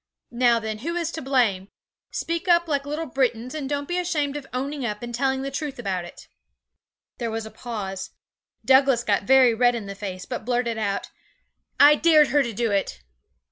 Now then, who is to blame? Speak up like little Britons, and don't be ashamed of owning up and telling the truth about it.' There was a pause. Douglas got very red in the face, but blurted out, 'I dared her to do it.'